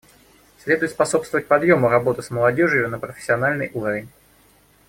Следует способствовать подъему работы с молодежью на профессиональный уровень.